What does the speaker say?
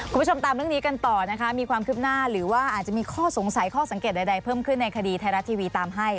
คุณผู้ชมตามเรื่องนี้กันต่อนะคะมีความคืบหน้าหรือว่าอาจจะมีข้อสงสัยข้อสังเกตใดเพิ่มขึ้นในคดีไทยรัฐทีวีตามให้